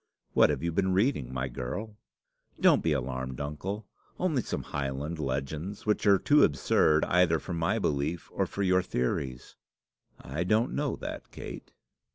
What have you been reading, my girl?" "Don't be alarmed, uncle. Only some Highland legends, which are too absurd either for my belief or for your theories." "I don't know that, Kate."